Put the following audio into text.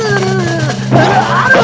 tolong bagi dia